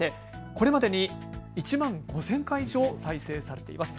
これまでに１万５０００回以上再生されています。